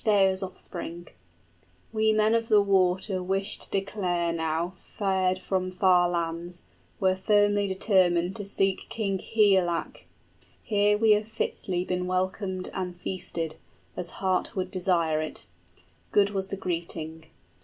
} Beowulf spake, Ecgtheow's offspring: "We men of the water wish to declare now Fared from far lands, we're firmly determined To seek King Higelac. Here have we fitly 5 Been welcomed and feasted, as heart would desire it; Good was the greeting.